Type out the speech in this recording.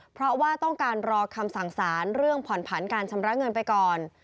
เพราะว่าต้องการรอคำสั่งสารเรื่องผ่อนผันการชำระเงินไปก่อน